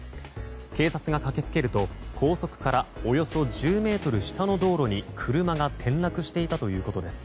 警察が駆け付けると高速からおよそ１０ｍ下の道路に、車が転落していたということです。